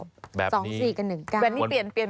เบอร์นี้เปลี่ยนเปลี่ยนไหมครับ